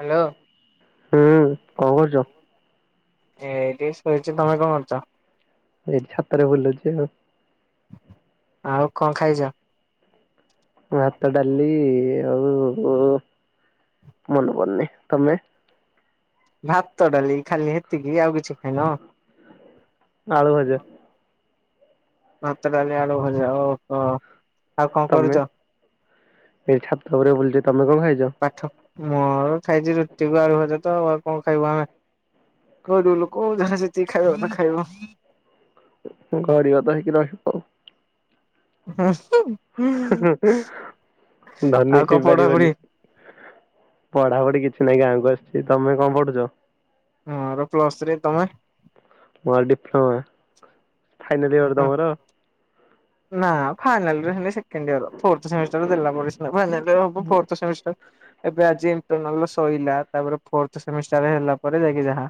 Hello. ହୁଁ କଣ କରୁଛ? ଏଁ ଏଇଠିଁ ଶୋଇଛି ତମେ କଣ କରୁଛ? ଏଇ ଛାତରେ ଭୁଲୁଛି ଆଉଁ। ଆଉଁ କଣ ଖାଇଛ? ଭାତ ଡାଲି ଆଉଁ କଣ ମନେ ପଡୁନି। ତମେ ଭାତ ଡାଲି ଖାଲି ହେତିକି ଆଉ କିଛି ଖାଇଁନ। ଆଳୁ ଭଜା। ଭାତ ଡାଲି ଆଳୁ ଭଜା ଓ ହୋ। ତମେ ଏଇ ଛାତ ଉପରେ ବୁଲୁଛି। ତମେ କଣ ଖାଇଛ? ପାଠ ଉ ମୁଁ ଖାଇଛି ରୁଟିକୁ ଆଳୁ ଭଜା ତ କଣ ଖାଇବ ଆମେ କୋଉଁ ଦିନ କୁ ଯାହା ଯେତିକି ଖାଇବା କଥା ଖାଇବ। ହୁଁ ଗରିବ ତ ହେଇକି ରହିବ ଆଉ। ହୁଁ ଉଁଉଁ। ହିଁହେଁ ହିଁହେଁ ହେଁ ଆଉ ଧନୀ କଣ ପଢାପଢି ହେଇପାରିବନି। ପଢାପଢି କିଛିହିଁ ଗାଁକୁ ଆସିଛି ତମେ କଣ ପଢୁଛ? ମୋର ପ୍ଲସ ଥ୍ରୀ ତମେ। ମୋର ଡିଫ୍ଳୋମା। ହଁ ନା ଫାଇନାଲ [unintelligible] [unintelligible] ଏବେ ଆଜି ଇଣ୍ଟରନାଲ ଶଇଲା ତାପରେ ଫୋର୍ଥ ସେମିଷ୍ଟାର ହେଲା ପରେ ଯାଇକି ଯାହା।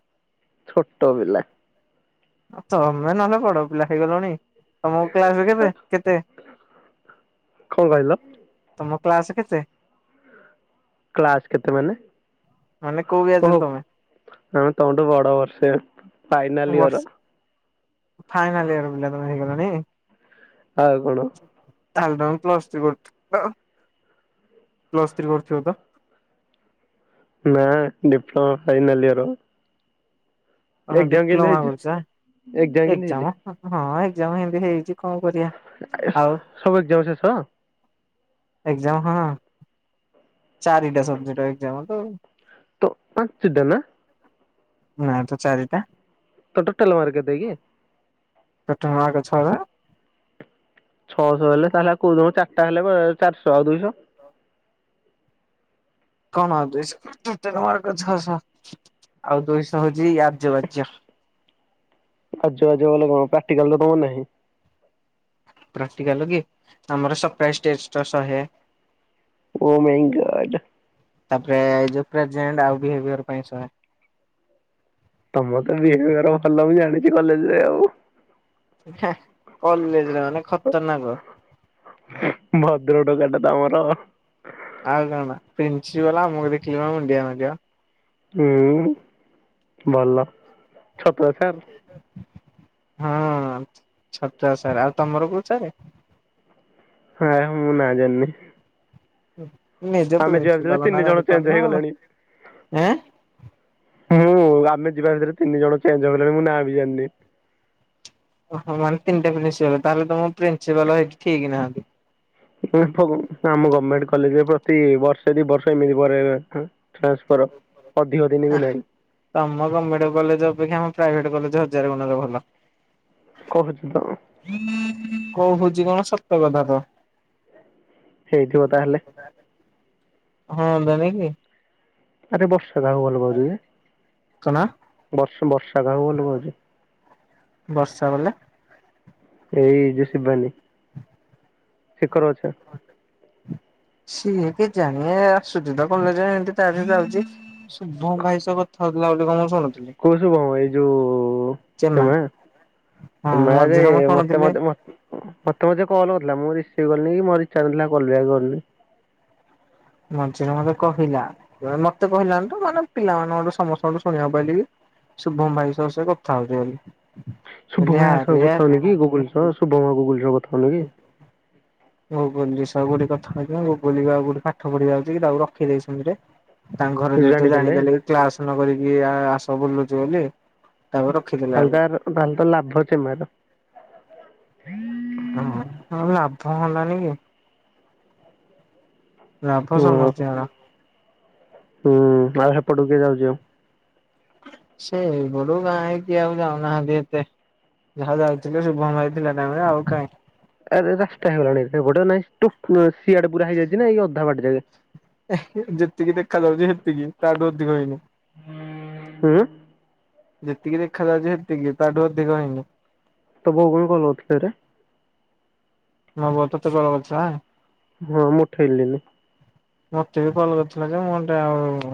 ଛୋଟ ପିଲା। ତମେ ନହେଲେ ବଡ ପିଲା ହେଇଗଲଣି। ତମକୁ କ୍ଲାସ କେବେ କେତେ? କଣ କହିଲ ତମ କ୍ଲାସ କେତେ? କ୍ଲାସ୍ କେତେ ମାନେ। ମାନେ କୋଉ ବ୍ୟାଚ୍ ର ଓହୋ ତମେ? ଆମେ ତମଠୁ ବଡ ବର୍ଷେ ଫାଇନାଲ ବର୍ଷ ଇଅର। ଫାଇନାଲ ଇୟର ପିଲା ତମେ ହେଇଗଲଣି। ଆଉ କଣ? ତାହେଲେ ତମେ ପ୍ଲସ୍ ଥ୍ରୀ କରୁଥିଲ ପ୍ଲସ୍ ଥ୍ରୀ କରୁଥିବ ତ। ନାଁ ଡିପ୍ଲୋମା ଫାଇନାଲ ଇୟର। ଓହୋ ଏକ୍ଜାମ କେମିତି ଡିପ୍ଲୋମା ହେଇଛି? କରୁଛ ଏକ୍ଜାମ କେମିତି ହେଇଛି? ଏକ୍ସାମ ହଁ ଏକ୍ସାମ ସେମିତି ହେଇଛି କଣ କରିବା। ଆଉ ସବୁ ଏକ୍ଜାମ ଶେଷ। ଏକ୍ଜାମ ହଁ ଚାରିଟା ସବଜେକ୍ଟ ଏକ୍ଜାମ ତ ଆଉ। ତ ପାଞ୍ଚେ ଟା ନା। ନା ତ ଚାରିଟା। ତୋ ଟୋଟାଲ ମାର୍କ କେତେ କି? ଟୋଟାଲ ମାର୍କ ଛ ପା। ଛଅଶହ ହେଲେ ତାହେଲେ [unintelligible] ଚାରିଟା ହେଲେ ଚାରିଶହ ଆଉ ଦୁଇଶହ। କଣ ଆଉ ଦୁଇଶହ ଟୋଟାଲ ମାର୍କ ଛଅଶହ ଆଉ ଦୁଇଶହ ହଉଛି ଆଯ୍ୟ ବାଜ୍ୟ। ଆଜ୍ୟ ବାଜ୍ୟ ମାନେ କଣ ପ୍ରାକ୍ଟିକାଲ ତ ତମର ନାହିଁ। ପ୍ରାକ୍ଟିକାଲ କି ଆମର ସପ୍ରାଇଜ ଟେଷ୍ଟ ଶହେ। ଓ ମାଇଁ ଗଡ। ତାପରେ ଏଇ ଯୋଉ ପ୍ରେଜେଣ୍ଟ ଆଉ ବିହେବିଅର ପାଇଁ ଶହେ। ତମର ତ ବିହେବିୟର ଭଲ ମୁଁ ଜାଣିଛି କଲେଜରେ ଆଉ। କଲେଜରେ ମାନେ ଖତରନାକ ଭଦ୍ରଟୋକାଟା ତ ଆମର। ଆଉ କଣ ପ୍ରିନ୍ସିପାଲ ଆମକୁ ଦେଖିଲେ ପା ମୁଣ୍ଡିଆ ମାରିବ। ହୁଁ ଭଲ ଛତଛାର୍। ହଁ ଛତରା ସାରେ ଆଉ ତମର କୋଉ ସାରେ। ହଁ ମୁଁ ନା ଜାଣିନି। ନିଜେ ଆମେ ଯିବା ଭିତରେ ପ୍ରିନ୍ସିପାଲ ନା ତିନି ଜଣ ଜାଣିପାରୁନ ଚେଞ୍ଜ ହେଇଗଲେଣି। ଏଁ? ମୁ ଆମେ ଯିବା ଭିତରେ ତିନି ଜଣ ଚେଞ୍ଜ ହେଇଗଲେଣି ମୁଁ ନାଁ ବି ଜାଣିନି। ଓହୋ ମାନେ ତିନିଟା ପ୍ରିନ୍ସିପାଲ ତାହଲେ ତମ ପ୍ରିନ୍ିସିପାଲ ସେଇି ଠିକି ନାହାନ୍ତି ଆମ ଗଭର୍ଣମେଣ୍ଟ କଲେଜରେ ପ୍ରତି ବର୍ଷେ ଦି ବର୍ଷ ଏମିତି ପରେ ଟ୍ରାନ୍ସଫର ଅଧିକ ଦିନି ବି ନାହିଁ। ତମ ଗଭର୍ଣମେଣ୍ଟ କଲେଜ ଅପେକ୍ଷା ଆମ ପ୍ରାଇଭେଟ କଲେଜ ହଜାର ଗୁଣରେ ଭଲ। କହୁଛି ତ। କହୁଛି କଣ ସତ କଥା ତ। ହେଇଥିବ ତାହେଲେ। ହଁ ଦନ କି ଆରେ ବର୍ଷା କାହାକୁ ଭଲ ପାଉଛି ଯେ କଣ ବର୍ଷ ବର୍ଷା କାହାକୁ ଭଲ ପାଉଛି? ବର୍ଷା ମାନେ? ଏଇ ଯୋ ଶିବାନୀ ସେକର ଅଛ। ସିଏ କିଜାଣ ଆସୁଛି ତ କଲେଜ ଏତି ଯାଉଛି ସୋମ ଭାଇସହ କଥା ହଉଥିଲା ବୋଲି କଣ ମୁଁ ଶୁଣୁ କୋଉ ଶୁଭମ୍ ଭାଈ? ଯୋଉ ଚେମା ସେ ହଁ ମାରେ ମଝିରେ ମୁଁ ମତେ ଶୁଣୁଥିଲି ମତେ ମ ମତେ ମଝିରେ କଲ କରିଥିଲା ମୁଁ ରିସିଭ୍ କଲିିନି କି ମୋ ରିଚାଜ୍ ନଥିଲା କଲ ବ୍ୟକ୍ କରିନି। ମଞ୍ଚ ମତେ କହିଲା ମତେ କହିଲାନ ତ ମାନେ ପିଲାମାନଙ୍କଠୁ ସମସ୍ତଙ୍କଠୁ ଶୁଣିବାକୁ ପାଇଲି କି ଶୁଭମ ଭାଇ ସହ ସେ କଥା ହଉଚି ବୋଲି। କହିଲି ଶୁଭମ ଆରେ ସହ ଆରେ କଥାଉନି କି ଗୁଗଲ ଶୁଭମ ଗୁଗଲ ହ ଗୋଟେ କଥା ଆଉ ଗୋଟେ ପାଠ ପଢିବା ଯଉଛି କି ତାକୁ ରଖିଦେଇଛନ୍ତିରେ ତାଙ୍କ ଘର ଯେହେତୁ ଜାଣିଦେଲେ ଜାଣିପାରିଲ କି କ୍ଲାସ ନ କରିକି ଆସ ବୁଲୁଛି ବୋଲି ତାକୁ ରଖିଦେଲେ ଆକୁ ତାହେଲେ ତ ତାହେଲେ ତ ଲାଭ ଅଛି ହଁ ଲାଭ ହେଲାନି କି ହ ଲାଭ ସମସ୍ତି ଙ୍କର ହୁଁ ଆଉ ସେପଟକୁ କି ଯାଉଛି ଆଉ ସେଇ ବଡୁ ଗାଁ ହେଇକି ଆଉ ଯାଉନାହାନ୍ତି ଏତେ ଯାହା ଯାଇଥିଲେ ଶୁଭମ୍ ଭାଈ ଥିଲା ଟାଇରେ ଆଉ କାଇଁ ଆରେ ରାସ୍ତା ହେଇଗଲାଣି ସେଗୁଡା ନାଇଁ ତୁ ସିଆଡେ ପୁରା ହେଇଯାଇଛି ନା ଏଇ ଅଧା ବାଟି ଯାଏ? ଯେତିକି ଦେଖା ଯାଉଛି ସେତିକି ତାଠୁ ଅଧିକ ହେଇନି। ହୁଁ ଯେତିକି ଦେଖାଯାଉଛି ସେତିକି ତାଠୁ ଅଧିକ ହେଇନି ତ ବଉଗୁଳି କଲଉଥିଲେ ରେ [inaudible] ମ ବତ ତେ କଳ କରିଛ ହଁ ମୁଁ ଉଠେଇଲିନି ମତେ ବି ଭଲ କରିଥିଲା ଯେ ମୁଁ ଟେ ଆଉ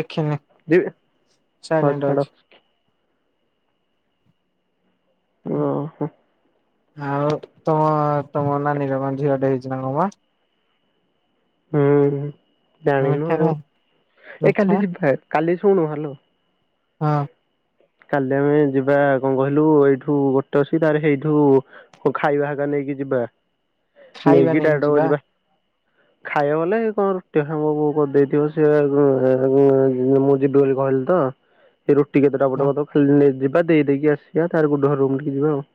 ଦେଖିନି ଯିବ ହଉ ସାଇଲେଣ୍ଟ ଛାଡ଼। ଅଛି ଓ ହୋ ଆଉ ତମ ତମ ନାନୀର କଣ ଝିଅ ଟେ ହେଇଛି ନା କଣ ପା? ହୁଁ ଜାଣିନୁ ମିଠା ଆଉ ଖାଇ ଏ ମିଠା କାଲି ଯିବା କାଲି ଶୁଣୁ ହ୍ୟଲୋ ହଁ କାଲି ଆମେ ଯିବା କଣ କହିଲୁ ଏଇଠୁ ଗୋଟେ ଅସି ତାର ସେଇଠୁ ହ ଖାଇବା ଖବା ନେଇକି ଯିବା ନେଇକି ଡାଇରେକ୍ଟକୁ ଯିବା ଖାଇବା ବଲେ କଣ ରୁଟି ଖବ କରିଦେଇଥିବ ସିଏ ମୁଁ ଯିବି ବୋଲି କହିଲି ତ ଏ ରୁଟି କେତେଟା ହଁ ପଟେ ଖାଲି ଯିବା ଦେଇେଇକି ଆସିବା ଗୋଟର ରୁମ ଟିକେ ଯିବା ଆଉ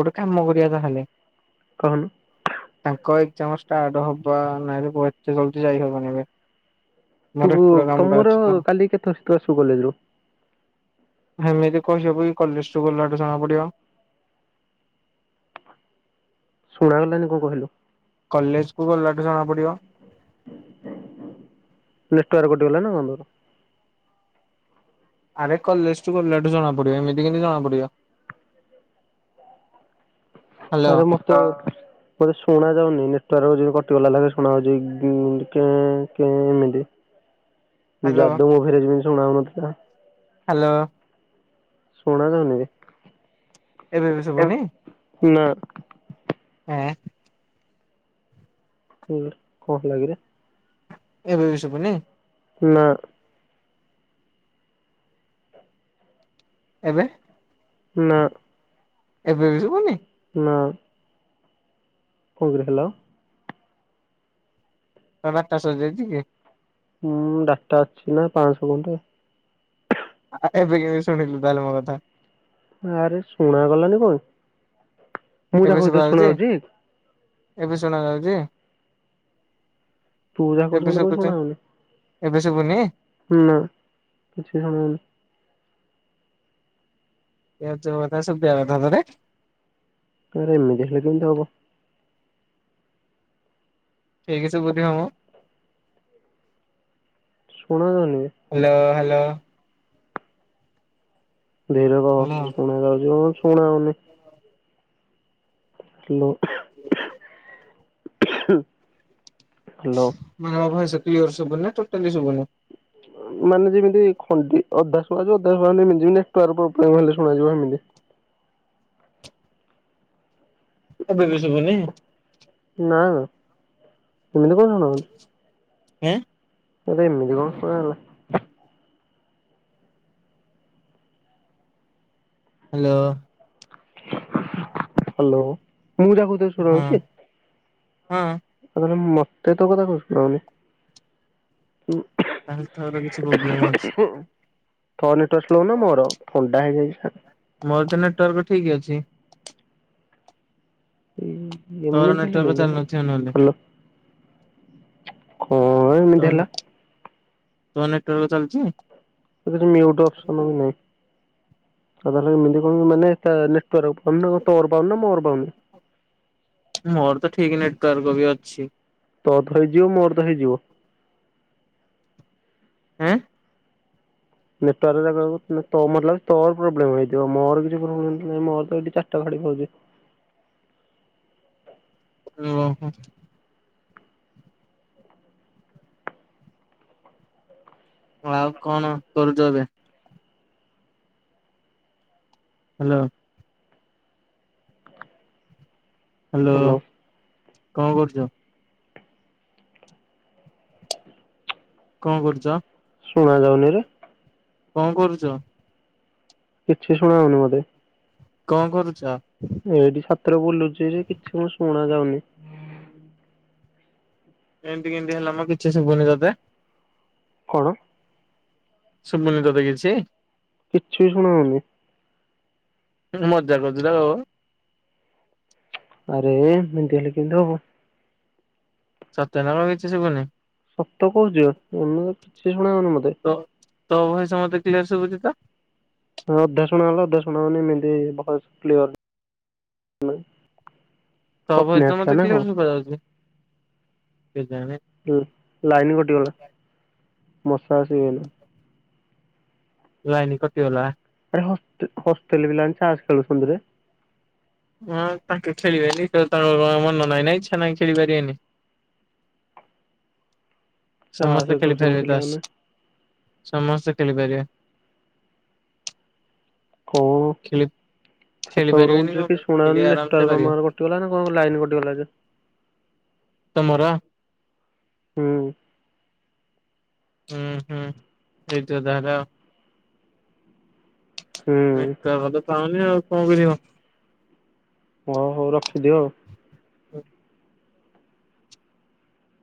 ଗୋଟେ କାମ କରିବା ତାହେଲେ କଣ? ତାଙ୍କ ଏଜାମ ଷ୍ଟାର୍ଟ ହବ ନାଇଁ ଏତେ ଜଲଦି ଯାଇହବନ ଏବେ ମୋର ତୁ ଏପଟ କାମଟା ତମର ଅଛି ତ। କାଲି କେତେ କେତେ ଆସିବୁ କଲେଜ ରୁ? ଏମିତି କହିହବ କି କଲେଜ କୁ ଗଲାଠୁ ଜଣା ପଡିବ। ଶୁଣାଗଲାନି କଣ କହିଲେ। କଲେଜ କୁ ଗଲାଠୁ ଜଣା ପଡିବ ନେଟୱାର୍କ କଟି ଗଲା ନା କଣ ତୋର ଆରେ କଲେଜ ଟୁ ଗଲାଠୁ ଜଣା ପଡିବ ଏମିତି କେମିତି ଜଣା ପଡିବ ହ୍ୟାଲୋ ଆରେ ମୁଁ ତ ମତେ ଶୁଣା ଯାଉନି ନେଟୱାର୍କ ଯ କଟିଗଲା ଲେଖେ ଶୁଣା ଯାଉଛି କେଁ କେ ଏମତି ତୁ ଯା ହ୍ୟାଲୋ ଦ ମୁଁ ଫେରେ ଯିବି ଶୁଣାଉନ ହ୍ୟାଲୋ ଶୁଣାଯାଉନି ଏବେ ବି ଶୁଭୁନି ନା ଆଁ ହୁଁ କଣ ହେଲା କି ରେ ଏବେ ବି ଶୁଭୁନି ନା ଏବେ ନା ଏବେ ବି ଶୁଭୁନି ନାଁ କଣ କରୁଥିଲ? ତା ଡ଼ାଟା ସରି ଜେଇଛି କି? ହୁଁ ଡାଟା ଅଛି ନା ପାଞ୍ଚଶହ ଖଣ୍ଡେ ଏବେ କେମିତି ଶଣିଲୁ ତାହେଲେ ମୋ କଥା? ଆରେ ଶୁଣା ଗଲାନି କଣ? ମୁଁ ଯାହା ଏବେ ଶୁଭା କହୁଥିଲି ଶୁଣା ଯାଉଛି ହଉଛି ଏବେ ଶୁଣାଯାଉଛି? ତୁ ଯାହା କହୁଛୁ ଏବେ ମୋତେ କଣ ଶୁଭୁଛି ଶୁଣା ହଉନି ଏବେ ଶୁଭୁନି। ନା କିଛି ଶୁଭୁନି। ଏ ତୋ କଥା ସୁଭିଆ କଥା ପରା। ଆରେ ଏମିତି ହେଲେ କେମିତି ହବ। ଠିକ ଶୁଭୁଥିବ ମୋ। ଶୁଣା ଯାଉନି। Hello hello. ଧୀରେ କହ ହ୍ୟାଲୋ ଶୁଣାଯାଉଛି କ ଶୁଣା ଯାଉନି। ହାଲୋ। ହୁଁ। [inaudible] ହାଲୋ। ମୋର ଭଏସ କ୍ଲିୟର ଶୁଭୁନି ନା ଟୋଟାଲି ଶୁଭୁନି। ମାନେ ଯେମିତି ଖଣ୍ଡି ଅଧା ସୁଭାଯାଉ ଅଧା ଶୁଭା ଯାଉନି ନା। ତରବର୍ ହେଲେ ଶୁଣାଯିବ ଏମିତି। ଏବେ ବି ଶୁଭୁନି? ନା ଏମିତି କଣ ଶୁଣାଯାଉଛି? ହଁ। ଆରେ ଏମିତି କଣ ଶୁଣା ହେଲା। ହ୍ୟାଲୋ। ହ୍ୟାଲୋ ମୁଁ ଯା କହୁଛି ହଁ ହଁ। ଆଉ ତାହେଲେ ମତେ ତୋ କଥା କଣ ଶୁଣା ଯାଉନି। ତାହେଲେ ତୋର କିଛି ପ୍ରୋବ୍ଲେମ ଅଛି। ତୋ ନେଟୱାର୍କ ସ୍ଲୋ ନା ମୋର? ଥଣ୍ଡା ହେଇଯାଇଛି ତ। ମୋର ତ ନେଟୱାର୍କ ଠିକ ଅଛି। ତୋର ଏମିତି ନେଟୱାର୍କ ହେଲେ ଚାଲି ନଥିବ ନହେଲେ। ହାଲୋ କଣ ଏମିତି ହେଲା ତାହେଲେ ତୋ ନେଟୱାର୍କ ଚାଲିଛି। ଏଇଠି ମ୍ୟୁଟ ଅପସନ୍ ବି ନାହିଁ [unintelligible] ମାନେ ତା ନେ ତୋର ଫୋନ ତୋର ପାଉନି ନା ମୋର ପାଉନି? ମୋର ତ ଠିକ ନେଟୱାର୍କ ବି ଅଛି। ତୋର ଥରେ ହେଇଯିବ ମୋର ତ ହେଇଯିବ। ଆଁ। ନେଟୱାର୍କ ଯାଗାକୁ ତ ମତେ ଲାଗୁଚି ତୋର ପ୍ରୋବ୍ଲେମ ହେଇଥିବ। ମୋର କିଛି ପ୍ରୋବ୍ଲେମ ନାହିଁ ମୋର ତ ଏଠି ଚାରିଟା ଘଡ଼ି ପାଉଛି। ଓହୋ। ଆଉ କଣ କରୁଛୁ ଏବେ? ହ୍ୟାଲୋ। ହ୍ୟାଲୋ ହାଲୋ କଣ କରୁଛ? କଣ କରୁଛ? ଶୁଣାଯାଉନିରେ। କଣ କରୁଛ? କିଛି ଶୁଣା ଯାଉନି ମତେ। କଣ କରୁଛ? ଏଇଠି ଛାତରେ ବୁଲୁଛି ଯେ କିଛି ମୁ ଶୁଣା ଯାଉନି। ଏମିତି କେମିତି ହେଲା ମ କିଛି ଶୁବୁନି ତତେ। କଣ? ଶୁଭୁନି ତତେ କିଛି? କିଛି ବି ଶୁଣାହୋଉନି। ମଜା କରୁଚୁ ନା କଣ। ଆରେ ଏମିତି ହେଲେ କେମିତି ହବ। ସତ ରେ ନା କଣ କିଛି ଶୁଭୁନି। ସତ କହୁଛି ଏମିତି କିଛି ଶୁଣାଯାଉନି ମତେ। ତୋ ତୋ ଭଏସ ମତେ କ୍ଲିୟର ଶୁଭୁଛି ତ। ହଁ ଅଧା ଶୁଣାଗଲେ ଅଧା ସୁଣା ଯାଉନି ଏମିତି ଭଏସ କ୍ଲିଅର ହୁଁ। ତମ ଭଏସ ତ ମତେ କ୍ଲିୟର ସୁବା ଯାଉଛି। କେଜାଣି। ହୁଁ ଲାଇନ କଟିଗଲା ମଶା ଆସିଗଲେ। [inaudible] ଲାଇନି କଟିଗଲା। ଆରେ ହ ହଷ୍ଟେଲ ରେ ପିଲାମାନେ ତାସ ଖେଳୁଛନ୍ତି ରେ। ହଁ ତାଙ୍କେ ଖେଳିବେନି ତାଙ୍କ କଣ ମନ ନାହିଁ ନା ଇଚ୍ଛା ନାହିଁ ଖେଳି ପାରିବେନି। ତାସ ସମସ୍ତେ ଖେଳୁଛନ୍ତି ଖେଳିପାରିବେ ପିଲାମାନେ ତାସ ସମସ୍ତେ ଖେଳିପାରିବେ। କଣ ଖେଳି ଖେଳି ଛାତ ଉପରେ ପାରିବେନି ବୁଲୁଚି କଣ ପାଇଁ କିଛି ଖେଳି ଶୁଣାଯାଉନି ଆରାମ ସେ ନେଟୱାର୍କ ଆମ ପାରିବେ ଗାଁରେ କଟ କଟିଗଲା ନା କଣ ଲାଇନ୍ କଟିଗଲା ଯେ? ତମର। ହୁଁ। ହୁଁ ହୁଁ ହେଇଥିବ ତାହେଲେ ଆଉ। ହୁଁ ନେଟୱାର୍କ ତ ପାଉନି ଆଉ କଣ କରିବ। ହଉ ହଉ ରଖିଦିଅ ଆଉ। ହୁଁ,